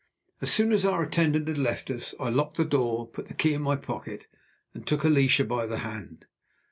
As soon as our attendant had left us, I locked the door, put the key in my pocket, and took Alicia by the hand.